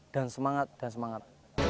dan semangat dan semangat